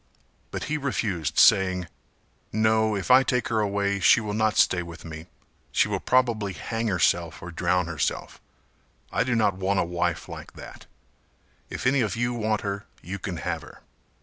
But he refused saying "No, if I take her away she will not stay with me, she will probably hang herself or drown herself; I do not want a wife like that, if any of you want her, you can have her."